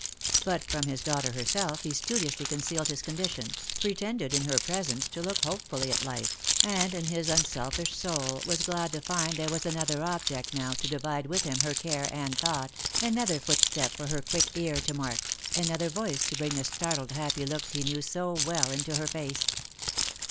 But from his daughter herself he studiously con cealed his condition, pretended in her presence to look hopefully at life, and in his unselfish soul was glad to find there was 70 jjosi jor jjovc another object now to divide with him her care and thought, another footstep for her quick ear to mark, another voice to bring the startled happy look he knew so well into her face.